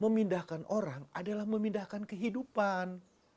memindahkan orang adalah memindahkan kehidupan